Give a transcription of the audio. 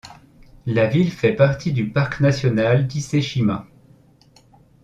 La ville fait partie du parc national d'Ise-Shima.